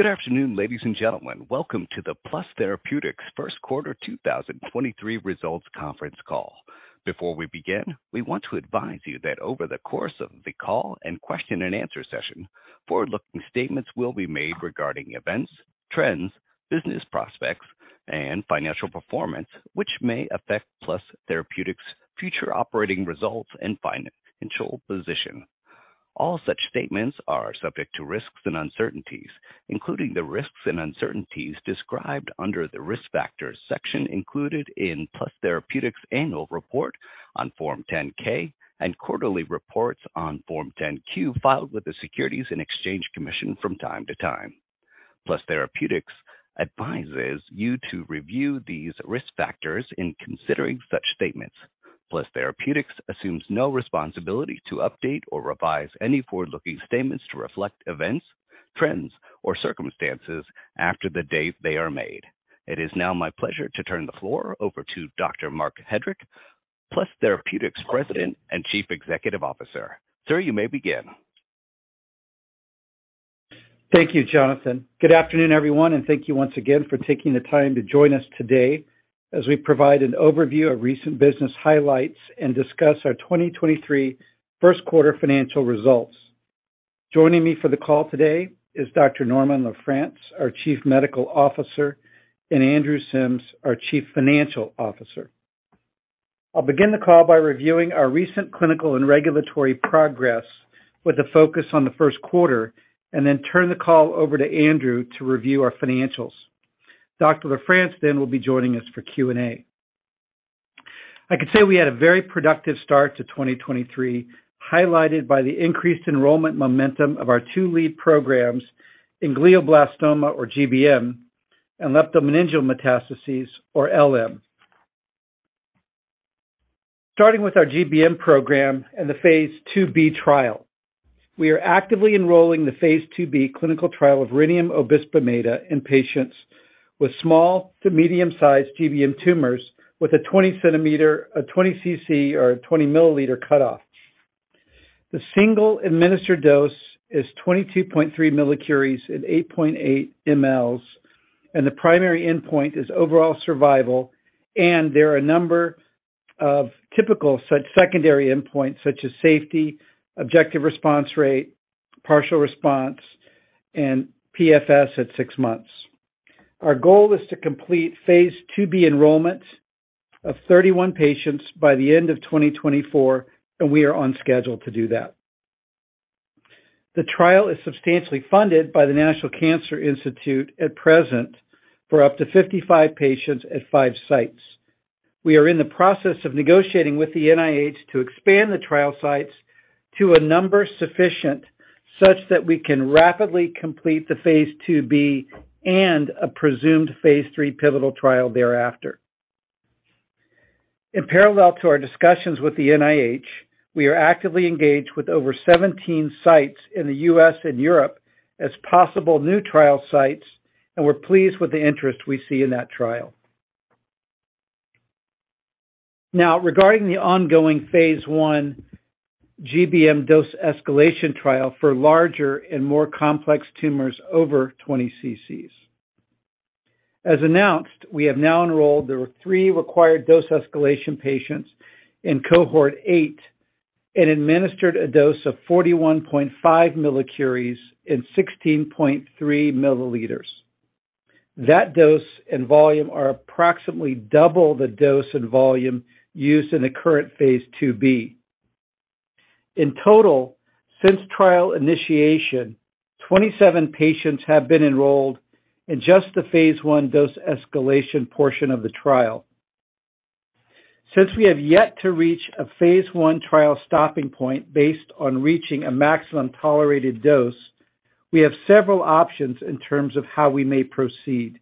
Good afternoon, ladies and gentlemen. Welcome to the Plus Therapeutics first quarter 2023 results conference call. Before we begin, we want to advise you that over the course of the call and question and answer session, forward-looking statements will be made regarding events, trends, business prospects, and financial performance which may affect Plus Therapeutics' future operating results and financial position. All such statements are subject to risks and uncertainties, including the risks and uncertainties described under the Risk Factors section included in Plus Therapeutics' annual report on Form 10-K and quarterly reports on Form 10-Q filed with the Securities and Exchange Commission from time to time. Plus Therapeutics advises you to review these risk factors in considering such statements. Plus Therapeutics assumes no responsibility to update or revise any forward-looking statements to reflect events, trends, or circumstances after the date they are made. It is now my pleasure to turn the floor over to Dr. Marc Hedrick, Plus Therapeutics President and Chief Executive Officer. Sir, you may begin. Thank you, Jonathan. Good afternoon, everyone, and thank you once again for taking the time to join us today as we provide an overview of recent business highlights and discuss our 2023 1st quarter financial results. Joining me for the call today is Dr. Norman LaFrance, our Chief Medical Officer, and Andrew Sims, our Chief Financial Officer. I'll begin the call by reviewing our recent clinical and regulatory progress with a focus on the 1st quarter, and then turn the call over to Andrew to review our financials. Dr. LaFrance then will be joining us for Q&A. I can say we had a very productive start to 2023, highlighted by the increased enrollment momentum of our two lead programs in glioblastoma, or GBM, and leptomeningeal metastases, or LM. Starting with our GBM program and the phase 2B trial. We are actively enrolling the phase IIB clinical trial of Rhenium Obisbemeda in patients with small to medium-sized GBM tumors with a 20cm, a 20cc or a 20mL cutoff. The single administered dose is 22.3 millicuries and 8.8mL. There are a number of typical such secondary endpoints such as safety, objective response rate, partial response, and PFS at 6 months. Our goal is to complete phase IIB enrollment of 31 patients by the end of 2024. We are on schedule to do that. The trial is substantially funded by the National Cancer Institute at present for up to 55 patients at 5 sites. We are in the process of negotiating with the NIH to expand the trial sites to a number sufficient such that we can rapidly complete the phase 2B and a presumed phase 3 pivotal trial thereafter. Parallel to our discussions with the NIH, we are actively engaged with over 17 sites in the US and Europe as possible new trial sites, and we're pleased with the interest we see in that trial. Regarding the ongoing phase 1 GBM dose escalation trial for larger and more complex tumors over 20 cc's. As announced, we have now enrolled the 3 required dose escalation patients in cohort 8 and administered a dose of 41.5 millicuries in 16.3mL. That dose and volume are approximately double the dose and volume used in the current phase 2B. In total, since trial initiation, 27 patients have been enrolled in just the phase one dose escalation portion of the trial. Since we have yet to reach a phase one trial stopping point based on reaching a maximum tolerated dose, we have several options in terms of how we may proceed.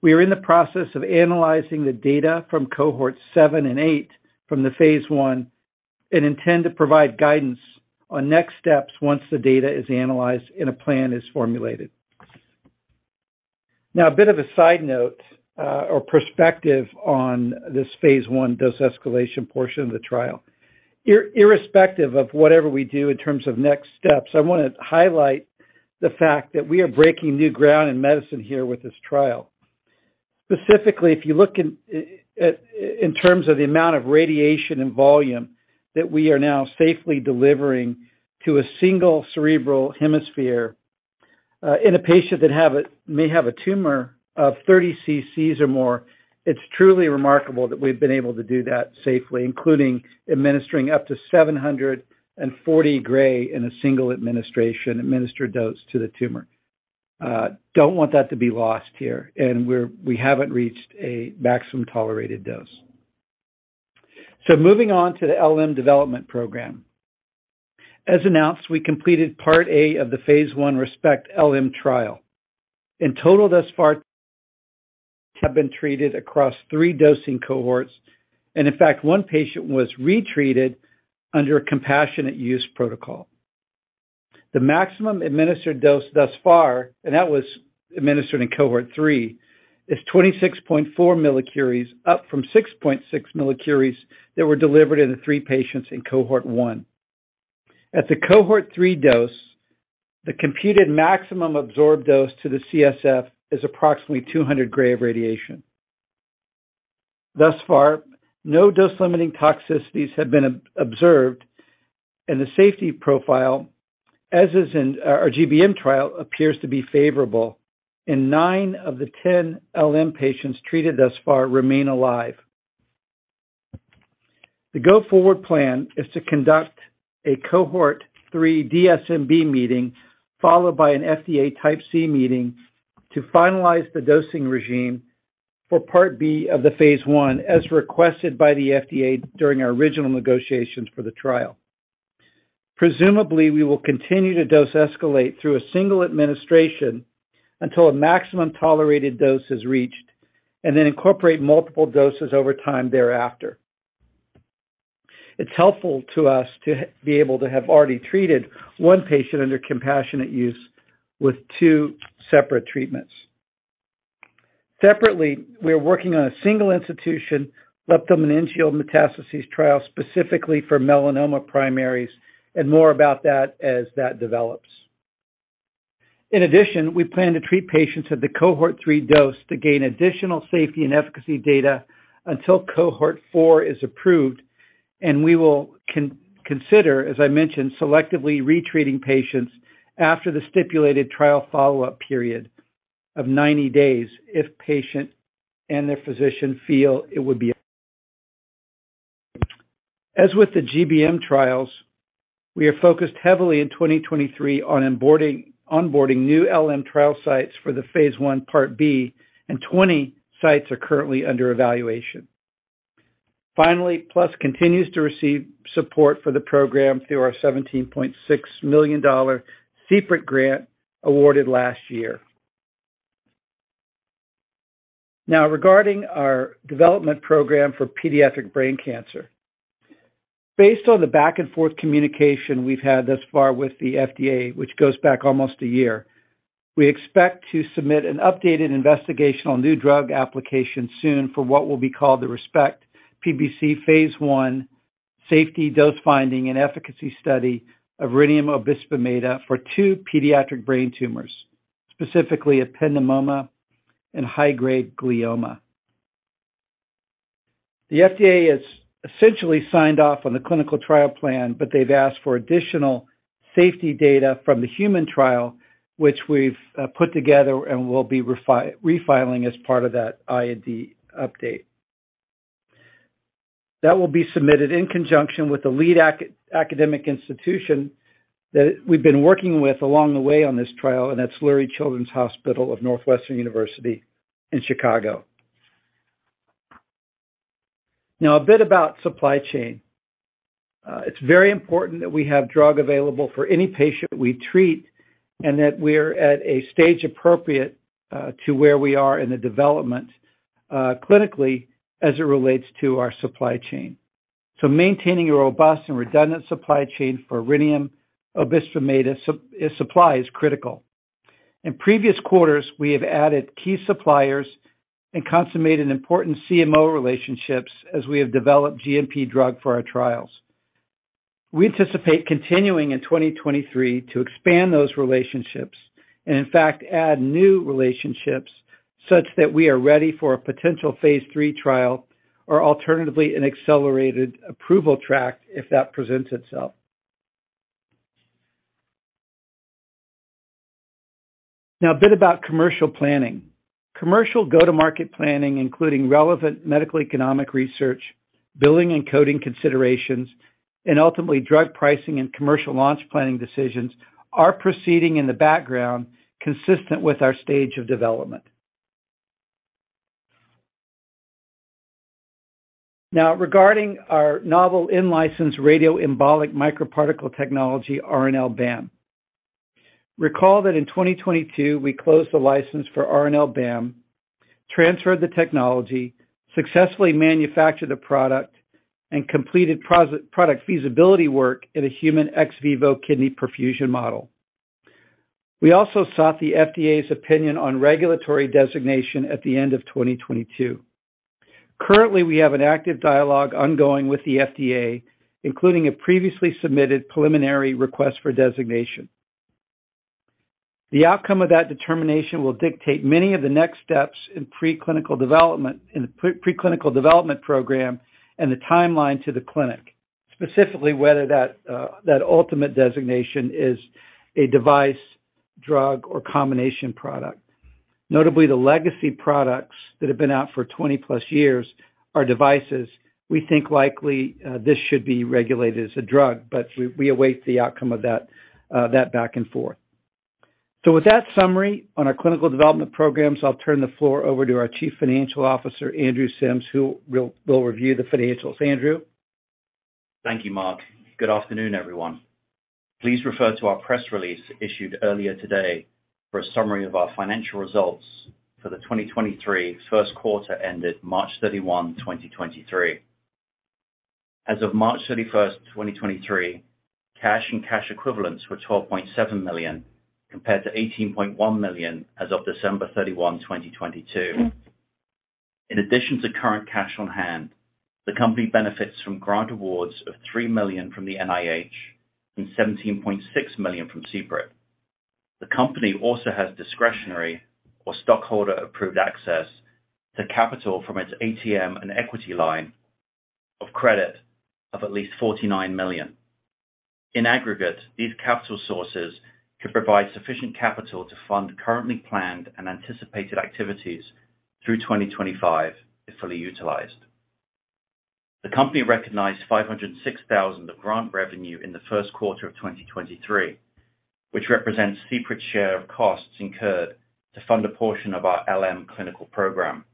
We are in the process of analyzing the data from cohort 7 and 8 from the phase one and intend to provide guidance on next steps once the data is analyzed and a plan is formulated. Now, a bit of a side note, or perspective on this phase one dose escalation portion of the trial. Irrespective of whatever we do in terms of next steps, I wanna highlight the fact that we are breaking new ground in medicine here with this trial. Specifically, if you look in terms of the amount of radiation and volume that we are now safely delivering to a single cerebral hemisphere, in a patient that may have a tumor of 30 cc's or more, it's truly remarkable that we've been able to do that safely, including administering up to 740 gray in a single administered dose to the tumor. Don't want that to be lost here, and we haven't reached a maximum tolerated dose. Moving on to the LM development program. As announced, we completed part A of the phase 1 ReSPECT-LM trial. In total, thus far have been treated across 3 dosing cohorts, and in fact, 1 patient was retreated under a compassionate use protocol. The maximum administered dose thus far, and that was administered in cohort 3, is 26.4 millicuries, up from 6.6 millicuries that were delivered in the 3 patients in cohort 1. At the cohort 3 dose, the computed maximum absorbed dose to the CSF is approximately 200 gray of radiation. Thus far, no dose-limiting toxicities have been observed, and the safety profile, as is in our GBM trial, appears to be favorable in 9 of the 10 LM patients treated thus far remain alive. The go-forward plan is to conduct a cohort 3 DSMB meeting, followed by an FDA Type C meeting to finalize the dosing regimen for part B of the phase 1 as requested by the FDA during our original negotiations for the trial. Presumably, we will continue to dose escalate through a single administration until a maximum tolerated dose is reached, and then incorporate multiple doses over time thereafter. It's helpful to us to be able to have already treated one patient under compassionate use with two separate treatments. Separately, we are working on a single institution leptomeningeal metastases trial specifically for melanoma primaries and more about that as that develops. In addition, we plan to treat patients at the cohort three dose to gain additional safety and efficacy data until cohort four is approved, and we will consider, as I mentioned, selectively retreating patients after the stipulated trial follow-up period of 90 days if patient and their physician feel it would be. As with the GBM trials, we are focused heavily in 2023 on onboarding new LM trial sites for the phase 1 part B, and 20 sites are currently under evaluation. Finally, Plus continues to receive support for the program through our $17.6 million CPRIT grant awarded last year. Regarding our development program for pediatric brain cancer. Based on the back-and-forth communication we've had thus far with the FDA, which goes back almost 1 year, we expect to submit an updated investigational new drug application soon for what will be called the ReSPECT-PBC phase 1 safety dose finding and efficacy study of Iridium Obisbemeda for 2 pediatric brain tumors, specifically ependymoma and high-grade glioma. The FDA has essentially signed off on the clinical trial plan, but they've asked for additional safety data from the human trial, which we've put together and will be refiling as part of that IND update. That will be submitted in conjunction with the lead academic institution that we've been working with along the way on this trial, and that's Lurie Children's Hospital of Northwestern University in Chicago. A bit about supply chain. It's very important that we have drug available for any patient we treat and that we're at a stage appropriate to where we are in the development clinically as it relates to our supply chain. Maintaining a robust and redundant supply chain for Iridium Obisbemeda supply is critical. In previous quarters, we have added key suppliers and consummated important CMO relationships as we have developed GMP drug for our trials. We anticipate continuing in 2023 to expand those relationships and in fact add new relationships such that we are ready for a potential phase 3 trial or alternatively an accelerated approval track if that presents itself. A bit about commercial planning. Commercial go-to-market planning, including relevant medical economic research, billing and coding considerations, and ultimately drug pricing and commercial launch planning decisions are proceeding in the background consistent with our stage of development. Regarding our novel in-license radioembolic microparticle technology, RNL-BAM. Recall that in 2022, we closed the license for RNL-BAM, transferred the technology, successfully manufactured the product and completed pros product feasibility work in a human ex vivo kidney perfusion model. We also sought the FDA's opinion on regulatory designation at the end of 2022. Currently, we have an active dialogue ongoing with the FDA, including a previously submitted preliminary request for designation. The outcome of that determination will dictate many of the next steps in the pre-clinical development program and the timeline to the clinic, specifically whether that ultimate designation is a device, drug or combination product. Notably, the legacy products that have been out for 20-plus years are devices we think likely, this should be regulated as a drug, but we await the outcome of that back and forth. With that summary on our clinical development programs, I'll turn the floor over to our Chief Financial Officer, Andrew Sims, who will review the financials. Andrew? Thank you, Marc. Good afternoon, everyone. Please refer to our press release issued earlier today for a summary of our financial results for the 2023 first quarter ended March 31, 2023. As of March 31, 2023, cash and cash equivalents were $12.7 million compared to $18.1 million as of December 31, 2022. In addition to current cash on hand, the company benefits from grant awards of $3 million from the NIH and $17.6 million from CPRIT. The company also has discretionary or stockholder-approved access to capital from its ATM and equity line of credit of at least $49 million. In aggregate, these capital sources could provide sufficient capital to fund currently planned and anticipated activities through 2025 if fully utilized. The company recognized $506,000 of grant revenue in the first quarter of 2023, which represents CPRIT's share of costs incurred to fund a portion of our LM clinical program.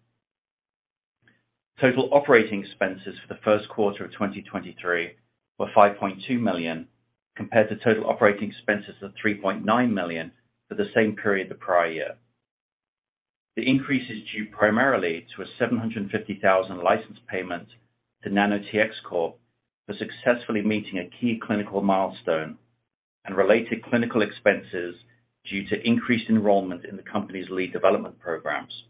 Total operating expenses for the first quarter of 2023 were $5.2 million, compared to total operating expenses of $3.9 million for the same period the prior year. The increase is due primarily to a $750,000 license payment to NanoTx Corp. for successfully meeting a key clinical milestone and related clinical expenses due to increased enrollment in the company's lead development programs.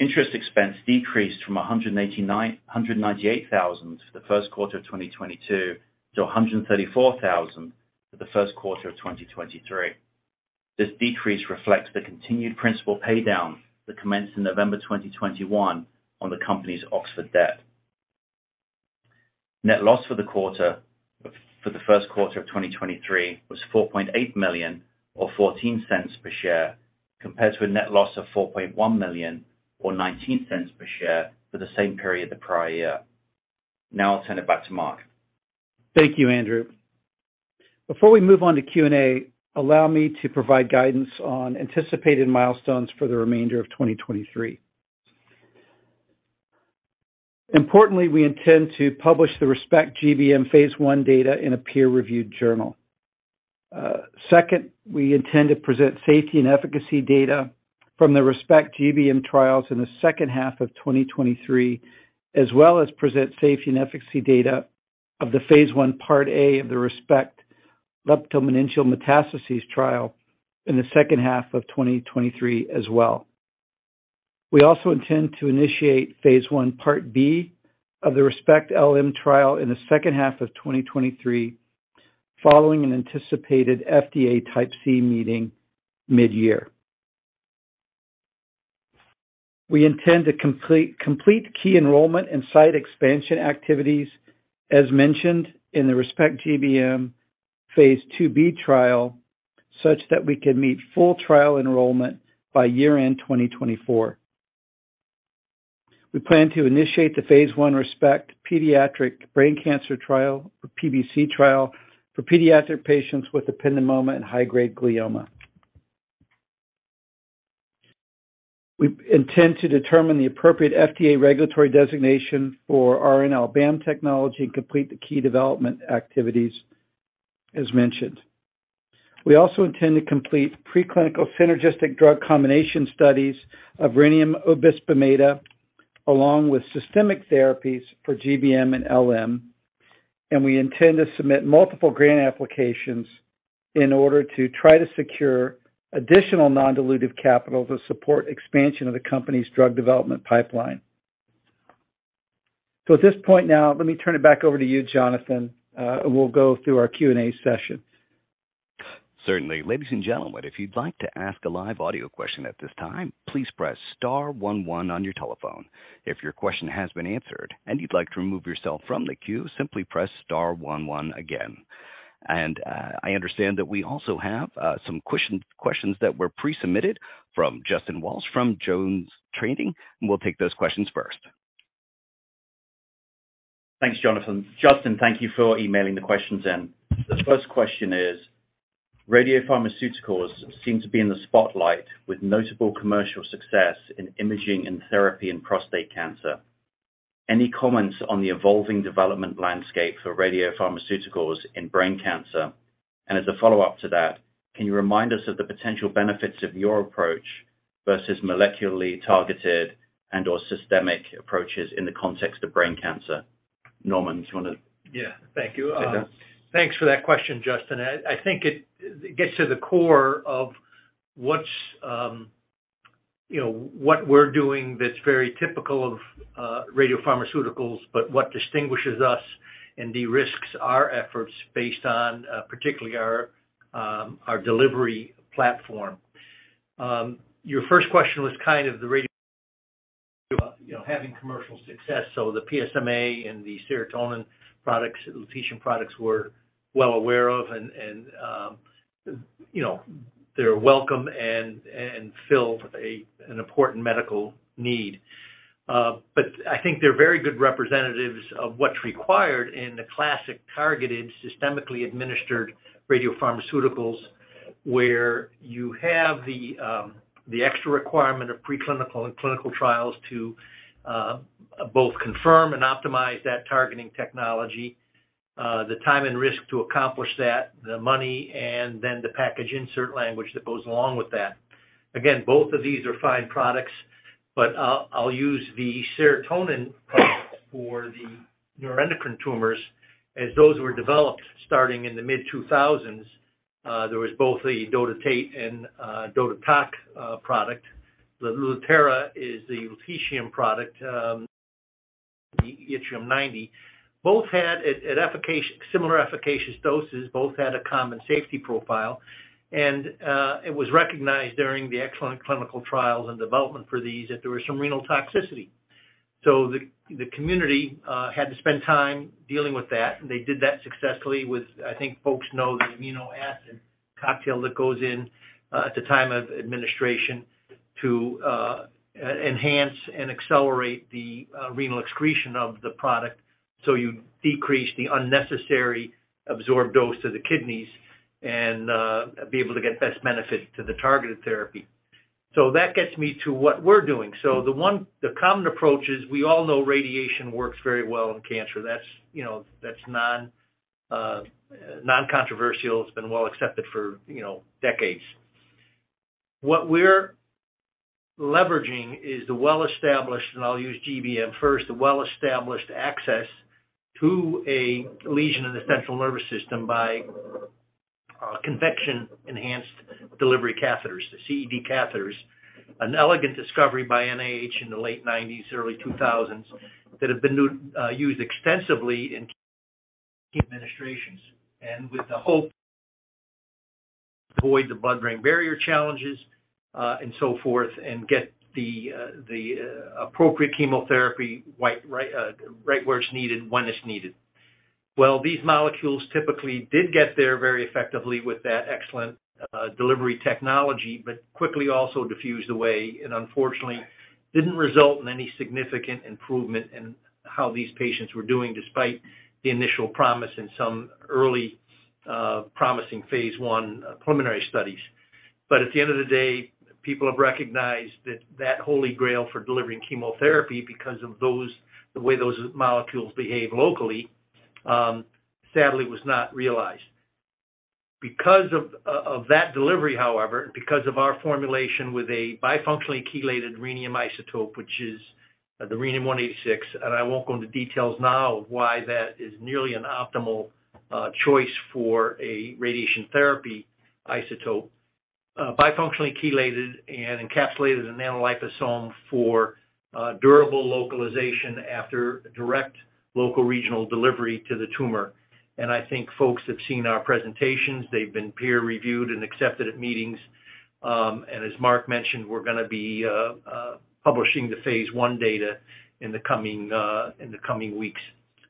Interest expense decreased from $198,000 for the first quarter of 2022 to $134,000 for the first quarter of 2023. This decrease reflects the continued principal pay down that commenced in November 2021 on the company's Oxford debt. Net loss for the first quarter of 2023 was $4.8 million or $0.14 per share, compared to a net loss of $4.1 million or $0.19 per share for the same period the prior year. I'll turn it back to Marc. Thank you, Andrew. Before we move on to Q&A, allow me to provide guidance on anticipated milestones for the remainder of 2023. Importantly, we intend to publish the ReSPECT-GBM phase 1 data in a peer-reviewed journal. Second, we intend to present safety and efficacy data from the ReSPECT-GBM trials in the second half of 2023, as well as present safety and efficacy data of the phase 1 part A of the ReSPECT leptomeningeal metastases trial in the second half of 2023 as well. We also intend to initiate phase 1 part B of the ReSPECT-LM trial in the second half of 2023, following an anticipated FDA Type C meeting midyear. We intend to complete key enrollment and site expansion activities as mentioned in the ReSPECT-GBM phase 2B trial, such that we can meet full trial enrollment by year-end 2024. We plan to initiate the phase 1 ReSPECT-PBC trial for pediatric patients with ependymoma and high-grade glioma. We intend to determine the appropriate FDA regulatory designation for our RNL-BAM technology and complete the key development activities as mentioned. We also intend to complete preclinical synergistic drug combination studies of rhenium Obisbemeda along with systemic therapies for GBM and LM. We intend to submit multiple grant applications in order to try to secure additional non-dilutive capital to support expansion of the company's drug development pipeline. At this point now, let me turn it back over to you, Jonathan, and we'll go through our Q&A session. Certainly. Ladies and gentlemen, if you'd like to ask a live audio question at this time, please press star 11 on your telephone. If your question has been answered and you'd like to remove yourself from the queue, simply press star 11 again. I understand that we also have some questions that were pre-submitted from Justin Walsh from Jones Trading, and we'll take those questions first. Thanks, Jonathan. Justin, thank you for emailing the questions in. The first question is: Radiopharmaceuticals seem to be in the spotlight with notable commercial success in imaging and therapy in prostate cancer. Any comments on the evolving development landscape for radiopharmaceuticals in brain cancer? As a follow-up to that, can you remind us of the potential benefits of your approach versus molecularly targeted and/or systemic approaches in the context of brain cancer? Norman. Yeah. Thank you. Take that. Thanks for that question, Justin. I think it gets to the core of what's, you know, what we're doing that's very typical of radiopharmaceuticals, but what distinguishes us and derisks our efforts based on particularly our delivery platform. Your first question was kind of the radio, you know, having commercial success. The PSMA and the serotonin products, lutetium products we're well aware of and, you know, they're welcome and fill an important medical need. I think they're very good representatives of what's required in the classic targeted, systemically administered radiopharmaceuticals, where you have the extra requirement of preclinical and clinical trials to both confirm and optimize that targeting technology, the time and risk to accomplish that, the money, and then the package insert language that goes along with that. Both of these are fine products, but I'll use the Serotonin receptor products for the neuroendocrine tumors as those were developed starting in the mid-2000s. There was both the DOTATATE and DOTATOC product. The Lutathera is the lutetium product, the yttrium-90. Both had similar efficacious doses, both had a common safety profile. It was recognized during the excellent clinical trials and development for these that there was some renal toxicity. The community had to spend time dealing with that, and they did that successfully with, I think folks know, the amino acid cocktail that goes in at the time of administration to enhance and accelerate the renal excretion of the product, so you decrease the unnecessary absorbed dose to the kidneys and be able to get best benefit to the targeted therapy. That gets me to what we're doing. The common approach is we all know radiation works very well in cancer. That's, you know, that's non non-controversial. It's been well accepted for, you know, decades. What we're leveraging is the well-established, and I'll use GBM first, the well-established access to a lesion in the central nervous system by Convection-Enhanced Delivery catheters, the CED catheters. An elegant discovery by NIH in the late 90s, early 2000s, that have been used extensively in administrations, with the hope to avoid the blood-brain barrier challenges, and so forth, and get the appropriate chemotherapy right where it's needed, when it's needed. These molecules typically did get there very effectively with that excellent delivery technology, but quickly also diffused away and unfortunately didn't result in any significant improvement in how these patients were doing despite the initial promise in some early promising phase I preliminary studies. At the end of the day, people have recognized that that holy grail for delivering chemotherapy because of the way those molecules behave locally, sadly was not realized. Because of that delivery, however, because of our formulation with a bifunctionally chelated rhenium isotope, which is the rhenium-186, and I won't go into details now of why that is nearly an optimal choice for a radiation therapy isotope. Bifunctionally chelated and encapsulated in nanoliposome for durable localization after direct local regional delivery to the tumor. I think folks have seen our presentations. They've been peer reviewed and accepted at meetings. As Marc mentioned, we're gonna be publishing the phase 1 data in the coming weeks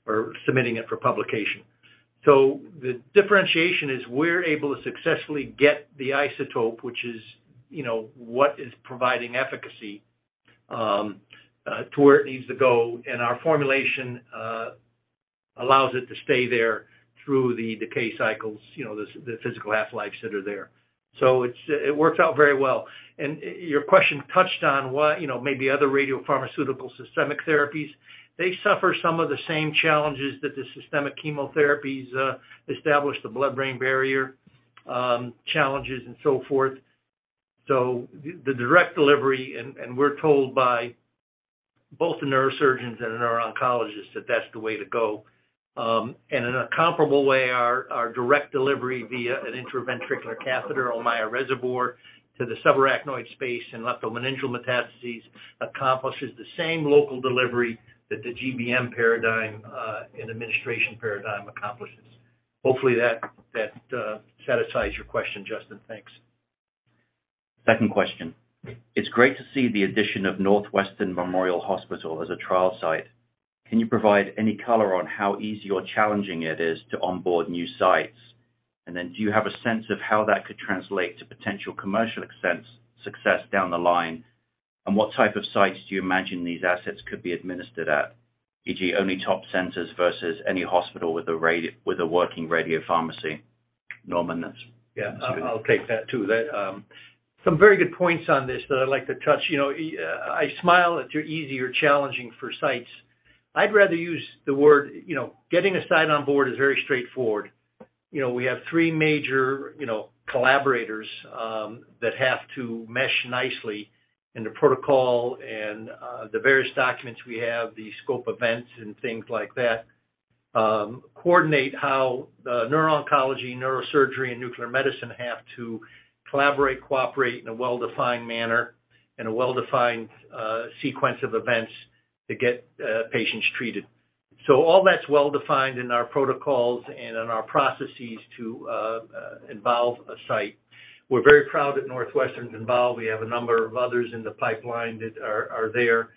or submitting it for publication. The differentiation is we're able to successfully get the isotope, which is, you know, what is providing efficacy to where it needs to go. Our formulation allows it to stay there through the decay cycles, you know, the physical half-lives that are there. It's it works out very well. Your question touched on what, you know, maybe other radiopharmaceutical systemic therapies, they suffer some of the same challenges that the systemic chemotherapies establish the blood-brain barrier challenges and so forth. The direct delivery, and we're told by both the neurosurgeons and the neuro-oncologists that that's the way to go. In a comparable way, our direct delivery via an intraventricular catheter Ommaya reservoir to the subarachnoid space and leptomeningeal metastases accomplishes the same local delivery that the GBM paradigm and administration paradigm accomplishes. Hopefully that satisfies your question, Justin. Thanks. Second question. It's great to see the addition of Northwestern Memorial Hospital as a trial site. Can you provide any color on how easy or challenging it is to onboard new sites? Do you have a sense of how that could translate to potential commercial success down the line? What type of sites do you imagine these assets could be administered at? E.g., only top centers versus any hospital with a working radio pharmacy. Norman. Yeah. It's you. I'll take that, too. That, some very good points on this that I'd like to touch. You know, I smile at your easy or challenging for sites. I'd rather use the word... You know, getting a site on board is very straightforward. You know, we have 3 major, you know, collaborators that have to mesh nicely in the protocol and the various documents we have, the scope events and things like that, coordinate how the neuro-oncology, neurosurgery, and nuclear medicine have to collaborate, cooperate in a well-defined manner and a well-defined sequence of events to get patients treated. All that's well defined in our protocols and in our processes to involve a site. We're very proud that Northwestern's involved. We have a number of others in the pipeline that are there.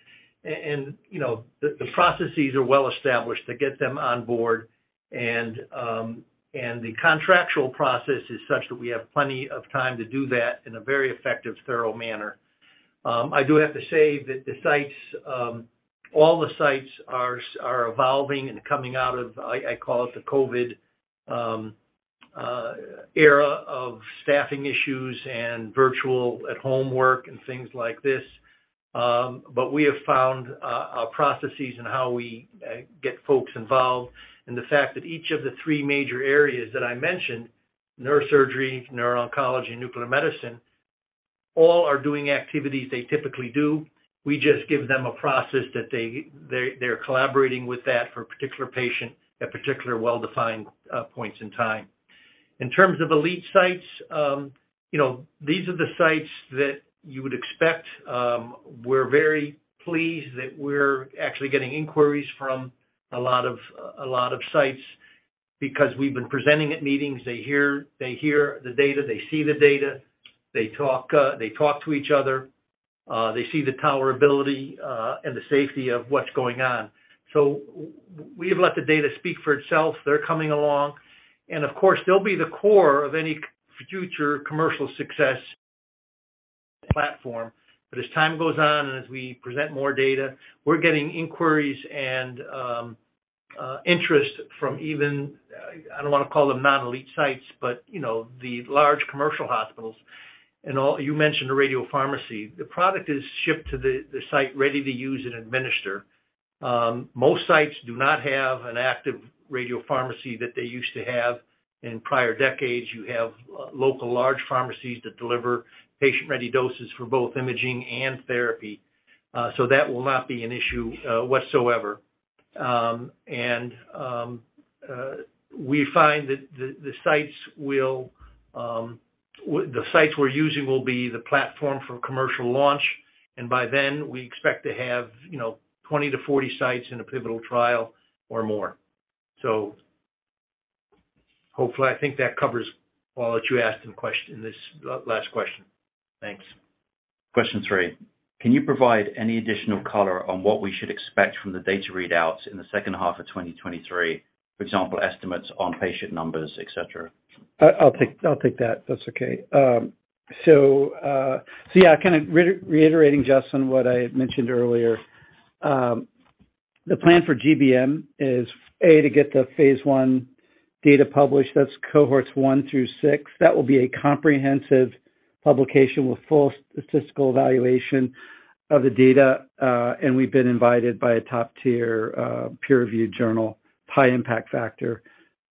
You know, the processes are well established to get them on board and the contractual process is such that we have plenty of time to do that in a very effective, thorough manner. I do have to say that the sites, all the sites are evolving and coming out of, I call it the COVID era of staffing issues and virtual at-home work and things like this. We have found processes in how we get folks involved, and the fact that each of the three major areas that I mentioned, neurosurgery, neuro-oncology, and nuclear medicine. All are doing activities they typically do. We just give them a process that they're collaborating with that for a particular patient at particular well-defined points in time. In terms of elite sites, you know, these are the sites that you would expect. We're very pleased that we're actually getting inquiries from a lot of sites because we've been presenting at meetings. They hear the data, they see the data, they talk, they talk to each other. They see the tolerability and the safety of what's going on. We've let the data speak for itself. They're coming along, and of course, they'll be the core of any future commercial success platform. As time goes on and as we present more data, we're getting inquiries and interest from even, I don't wanna call them non-elite sites, but you know, the large commercial hospitals and all. You mentioned the radiopharmacy. The product is shipped to the site ready to use and administer. Most sites do not have an active radiopharmacy that they used to have in prior decades. You have local large pharmacies that deliver patient-ready doses for both imaging and therapy. That will not be an issue whatsoever. We find that the sites we're using will be the platform for commercial launch, and by then we expect to have, you know, 20-40 sites in a pivotal trial or more. Hopefully, I think that covers all that you asked in question in this last question. Thanks. Question 3. Can you provide any additional color on what we should expect from the data readouts in the second half of 2023, for example, estimates on patient numbers, et cetera? I'll take that if that's okay. Yeah, kinda re-reiterating Justin what I had mentioned earlier. The plan for GBM is A, to get the phase 1 data published, that's cohorts 1 through 6. That will be a comprehensive publication with full statistical evaluation of the data. We've been invited by a top-tier peer review journal, high impact factor,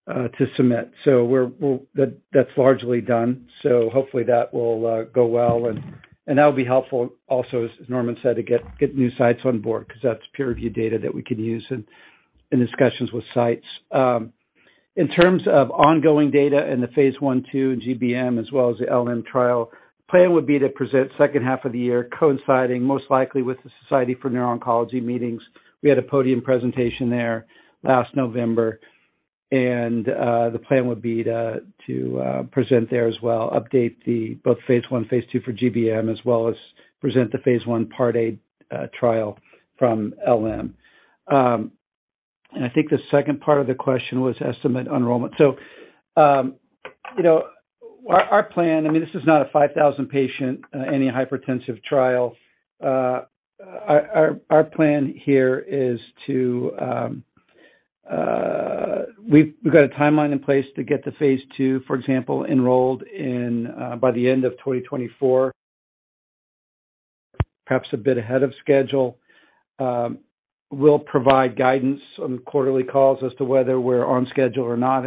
to submit. That's largely done, so hopefully that will go well and that'll be helpful also, as Norman said, to get new sites on board because that's peer review data that we can use in discussions with sites. In terms of ongoing data in the phase 1 to GBM as well as the LM trial, plan would be to present second half of the year coinciding most likely with the Society for Neuro-Oncology meetings. We had a podium presentation there last November and the plan would be to present there as well, update the both phase 1, phase 2 for GBM as well as present the phase 1 Part A trial from LM. I think the second part of the question was estimate enrollment. You know, our plan, I mean this is not a 5,000 patient any hypertensive trial. Our plan here is to. We've got a timeline in place to get to phase 2, for example, enrolled in by the end of 2024, perhaps a bit ahead of schedule. We'll provide guidance on quarterly calls as to whether we're on schedule or not.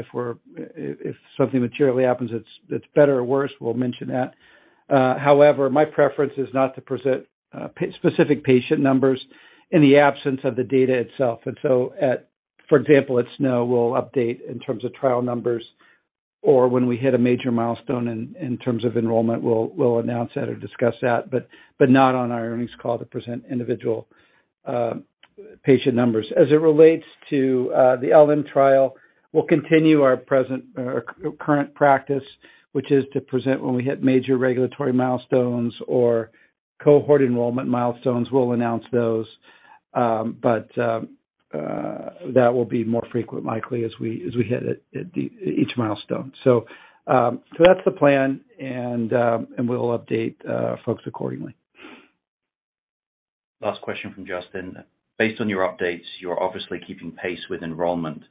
If something materially happens, it's better or worse, we'll mention that. However, my preference is not to present specific patient numbers in the absence of the data itself. At, for example, at SNO, we'll update in terms of trial numbers or when we hit a major milestone in terms of enrollment, we'll announce that or discuss that, but not on our earnings call to present individual patient numbers. As it relates to the LM trial, we'll continue our current practice, which is to present when we hit major regulatory milestones or cohort enrollment milestones, we'll announce those. That will be more frequent likely as we hit at each milestone. That's the plan and we'll update folks accordingly. Last question from Justin. Based on your updates, you're obviously keeping pace with enrollment.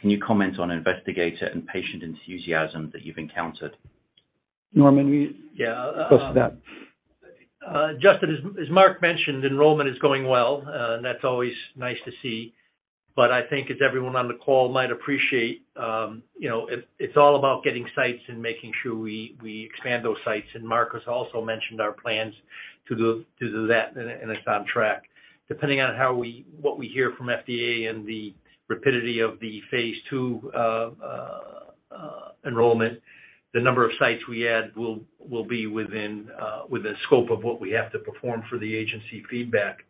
Can you comment on investigator and patient enthusiasm that you've encountered? Norman, Yeah. Go to that. Justin, as Mark mentioned, enrollment is going well, and that's always nice to see. I think as everyone on the call might appreciate, you know, it's all about getting sites and making sure we expand those sites. Mark has also mentioned our plans to do that, and it's on track. Depending on how we, what we hear from FDA and the rapidity of the phase two enrollment, the number of sites we add will be within scope of what we have to perform for the agency feedback.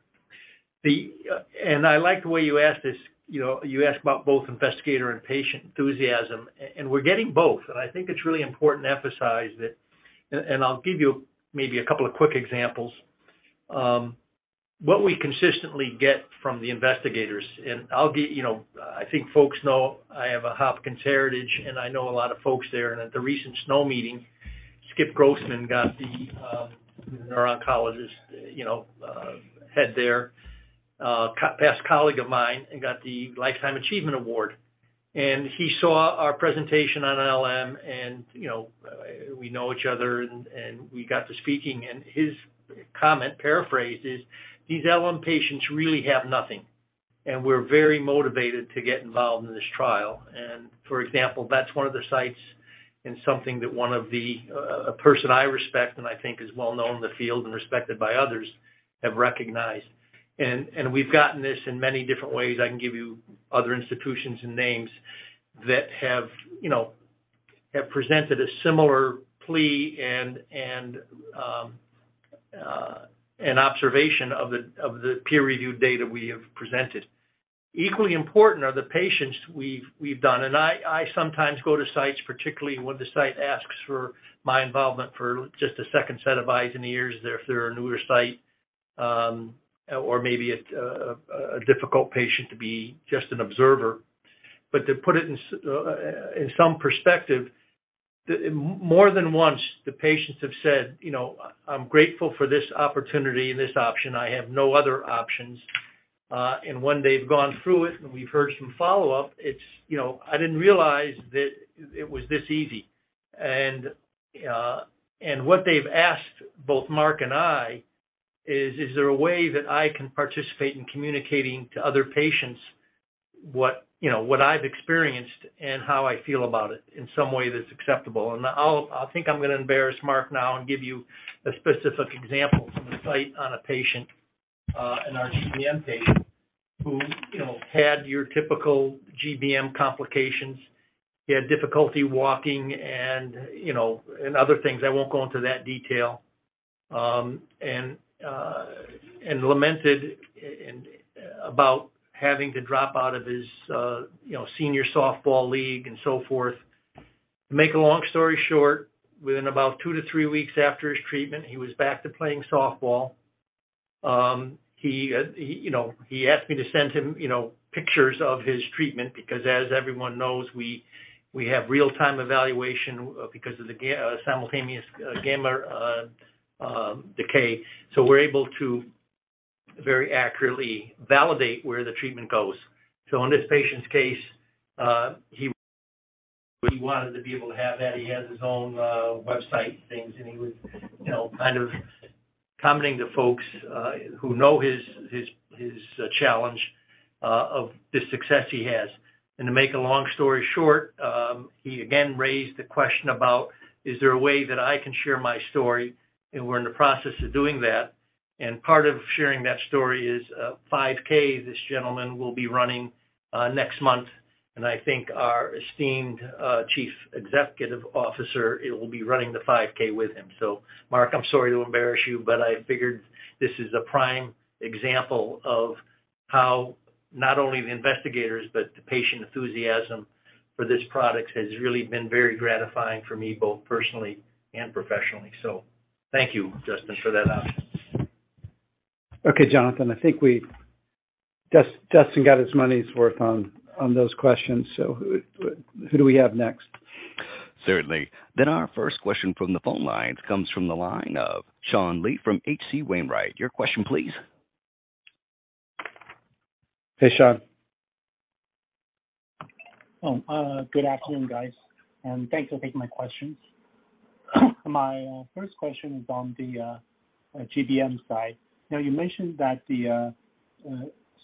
I like the way you asked this, you know, you asked about both investigator and patient enthusiasm and we're getting both. I think it's really important to emphasize that, and I'll give you maybe a couple of quick examples. What we consistently get from the investigators, I'll give, you know, I think folks know I have a Johns Hopkins heritage and I know a lot of folks there. At the recent SNO meeting, Skip Grossman got the neuro-oncologist, you know, head there, co-past colleague of mine and got the Lifetime Achievement Award. He saw our presentation on LM and, you know, we know each other and we got to speaking and his comment paraphrased is, "These LM patients really have nothing." We're very motivated to get involved in this trial. For example, that's one of the sites and something that one of the, a person I respect and I think is well-known in the field and respected by others have recognized. We've gotten this in many different ways. I can give you other institutions and names that have, you know, presented a similar plea and an observation of the peer review data we have presented. Equally important are the patients we've done, and I sometimes go to sites, particularly when the site asks for my involvement for just a second set of eyes and ears if they're a newer site, or maybe a difficult patient to be just an observer. To put it in some perspective, more than once, the patients have said, you know, "I'm grateful for this opportunity and this option. I have no other options." When they've gone through it, and we've heard some follow-up, it's, you know, I didn't realize that it was this easy. What they've asked both Marc and I is there a way that I can participate in communicating to other patients what, you know, what I've experienced and how I feel about it in some way that's acceptable? I'll, I think I'm gonna embarrass Marc now and give you a specific example from the site on a patient in our GBM case, who, you know, had your typical GBM complications. He had difficulty walking and, you know, and other things. I won't go into that detail. Lamented about having to drop out of his, you know, senior softball league and so forth. To make a long story short, within about two to three weeks after his treatment, he was back to playing softball. He, you know, he asked me to send him, you know, pictures of his treatment because, as everyone knows, we have real-time evaluation because of the simultaneous gamma decay. We're able to very accurately validate where the treatment goes. In this patient's case, he wanted to be able to have that. He has his own website things, and he was, you know, kind of commenting to folks who know his challenge of the success he has. To make a long story short, he again raised the question about, "Is there a way that I can share my story?" We're in the process of doing that. Part of sharing that story is a 5K this gentleman will be running next month, and I think our esteemed Chief Executive Officer will be running the 5K with him. Marc, I'm sorry to embarrass you, but I figured this is a prime example of how not only the investigators, but the patient enthusiasm for this product has really been very gratifying for me, both personally and professionally. Thank you, Justin, for that honor. Okay, Jonathan. I think Justin got his money's worth on those questions. Who do we have next? Certainly. Our first question from the phone lines comes from the line of Sean Lee from H.C. Wainwright. Your question please. Hey, Sean. Good afternoon, guys, thanks for taking my questions. My first question is on the GBM side. You mentioned that the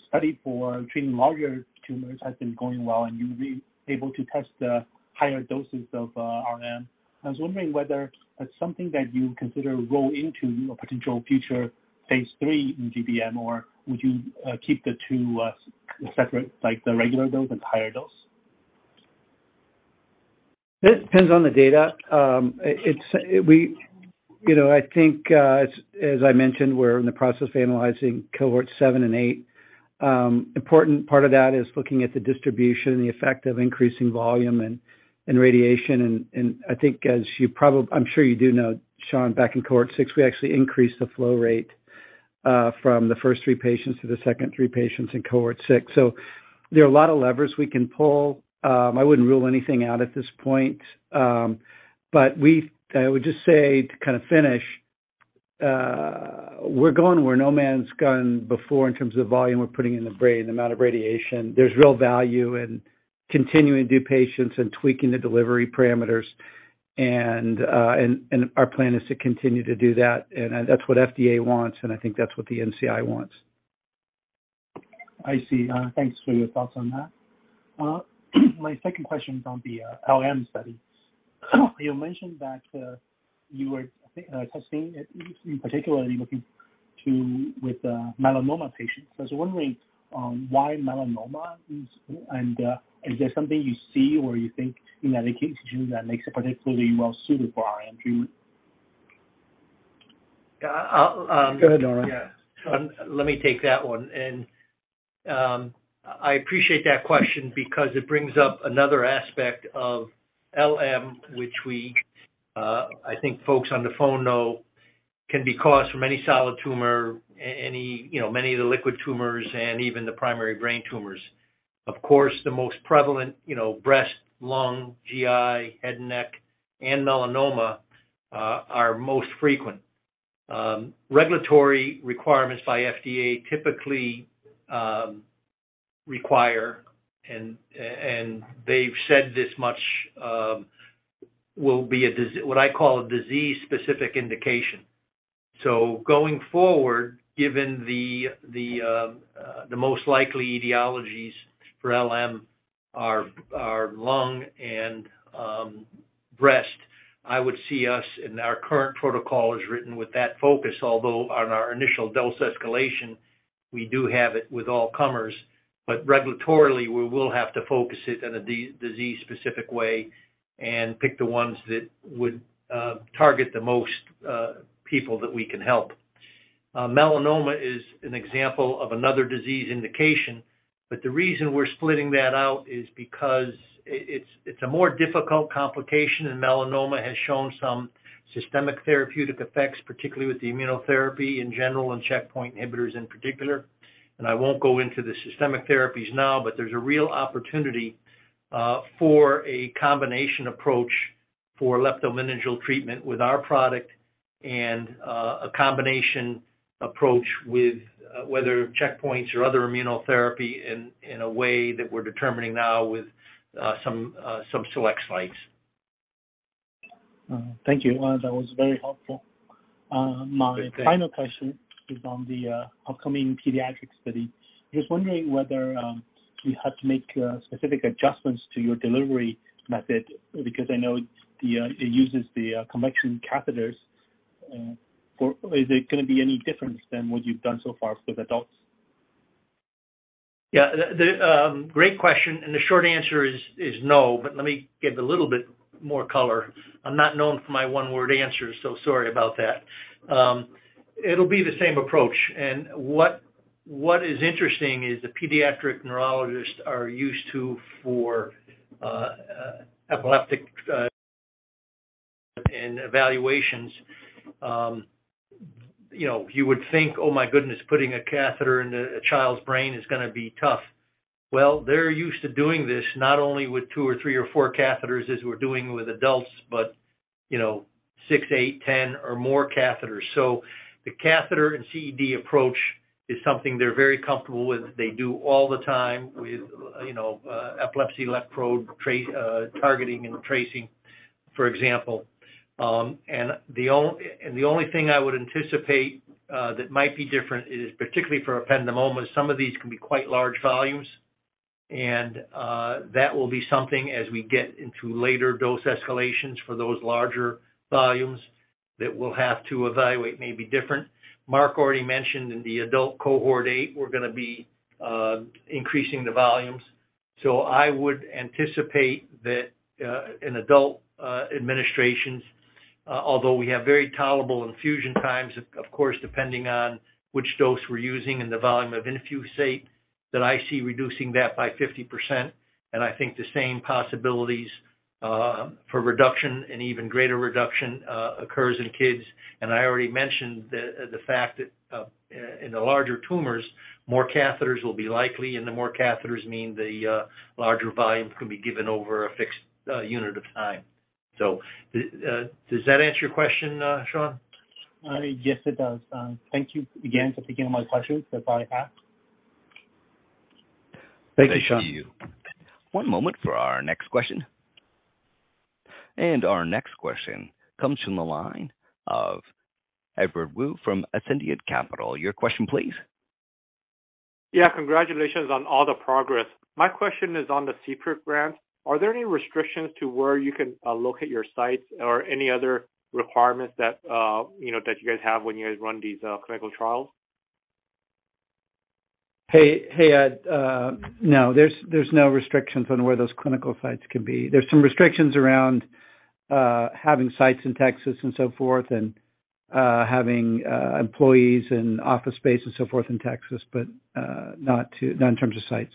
study for treating larger tumors has been going well, and you'll be able to test the higher doses of rhenium. I was wondering whether that's something that you consider roll into your potential future phase 3 in GBM, or would you keep the two separate, like the regular dose and higher dose? It depends on the data. It's, we... You know, I think, as I mentioned, we're in the process of analyzing cohort 7 and 8. Important part of that is looking at the distribution and the effect of increasing volume and radiation. I think as you I'm sure you do know, Sean, back in cohort 6, we actually increased the flow rate from the first 3 patients to the second 3 patients in cohort 6. There are a lot of levers we can pull. I wouldn't rule anything out at this point. We... I would just say to kind of finish, we're going where no man's gone before in terms of volume we're putting in the brain, the amount of radiation. There's real value in continuing to do patients and tweaking the delivery parameters and our plan is to continue to do that. That's what FDA wants, and I think that's what the NCI wants. I see. Thanks for your thoughts on that. My second question is on the LM study. You mentioned that you were, I think, testing in particular looking to with melanoma patients. I was wondering why melanoma is and is there something you see or you think, you know, that makes it particularly well-suited for rhenium, do you? Yeah, I'll. Go ahead, Norman. Yeah. Let me take that one. I appreciate that question because it brings up another aspect of LM, which we, I think folks on the phone know can be caused from any solid tumor, any, you know, many of the liquid tumors and even the primary brain tumors. Of course, the most prevalent, you know, breast, lung, GI, head and neck, and melanoma, are most frequent. Regulatory requirements by FDA typically require and they've said this much will be what I call a disease-specific indication. Going forward, given the most likely etiologies for LM are lung and breast, I would see us, and our current protocol is written with that focus, although on our initial dose escalation, we do have it with all comers. Regulatorily, we will have to focus it in a disease-specific way and pick the ones that would target the most people that we can help. Melanoma is an example of another disease indication, but the reason we're splitting that out is because it's a more difficult complication, and melanoma has shown some systemic therapeutic effects, particularly with the immunotherapy in general and checkpoint inhibitors in particular. I won't go into the systemic therapies now, but there's a real opportunity for a combination approach for leptomeningeal treatment with our product and a combination approach with whether checkpoints or other immunotherapy in a way that we're determining now with some select sites. Thank you. That was very helpful. Good. Thank you. My final question is on the upcoming pediatric study. Just wondering whether you had to make specific adjustments to your delivery method, because I know the it uses the convection catheters. Is it gonna be any different than what you've done so far with adults? Yeah. The great question, the short answer is no, but let me give a little bit more color. I'm not known for my one-word answers, sorry about that. It'll be the same approach. What is interesting is the pediatric neurologists are used to for epileptic and evaluations. You know, you would think, "Oh my goodness, putting a catheter into a child's brain is gonna be tough." Well, they're used to doing this not only with 2 or 3 or 4 catheters as we're doing with adults, but, you know, 6, 8, 10 or more catheters. The catheter and CED approach is something they're very comfortable with. They do all the time with, you know, epilepsy electrode trace targeting and tracing, for example. The only thing I would anticipate that might be different is particularly for ependymomas, some of these can be quite large volumes. That will be something as we get into later dose escalations for those larger volumes that we'll have to evaluate may be different. Marc already mentioned in the adult cohort 8, we're going to be increasing the volumes. I would anticipate that in adult administrations, although we have very tolerable infusion times, of course, depending on which dose we're using and the volume of infusate, that I see reducing that by 50%. I think the same possibilities for reduction and even greater reduction occurs in kids. I already mentioned the fact that in the larger tumors, more catheters will be likely, and the more catheters mean the larger volumes can be given over a fixed unit of time. Does that answer your question, Sean? Yes, it does. Thank you again for taking my questions that I have. Thank you, Sean. Thank you. One moment for our next question. Our next question comes from the line of Edward Woo from Ascendiant Capital. Your question please. Yeah. Congratulations on all the progress. My question is on the CPRIT grant. Are there any restrictions to where you can locate your sites or any other requirements that, you know, that you guys have when you guys run these clinical trials? Hey, Ed. No, there's no restrictions on where those clinical sites can be. There's some restrictions around having sites in Texas and so forth and having employees and office space and so forth in Texas, but not in terms of sites.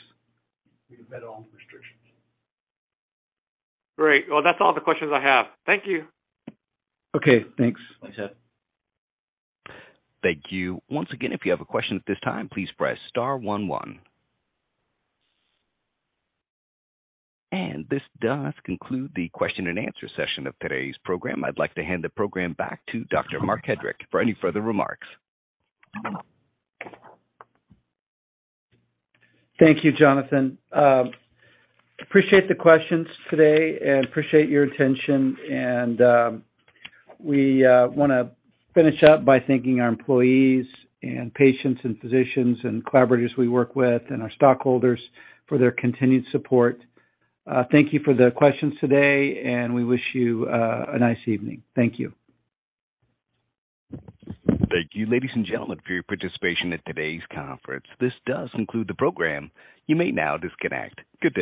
We can bet on restrictions. Great. Well, that's all the questions I have. Thank you. Okay, thanks. Thanks, Ed. Thank you. Once again, if you have a question at this time, please press star one one. This does conclude the question and answer session of today's program. I'd like to hand the program back to Dr. Marc Hedrick for any further remarks. Thank you, Jonathan. Appreciate the questions today and appreciate your attention. We wanna finish up by thanking our employees and patients and physicians and collaborators we work with and our stockholders for their continued support. Thank you for the questions today, we wish you a nice evening. Thank you. Thank you, ladies and gentlemen, for your participation in today's conference. This does conclude the program. You may now disconnect. Goodbye.